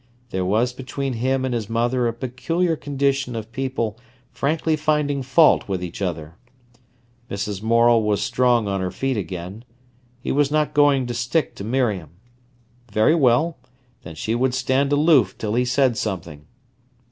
There was between him and his mother a peculiar condition of people frankly finding fault with each other. Mrs. Morel was strong on her feet again. He was not going to stick to Miriam. Very well; then she would stand aloof till he said something.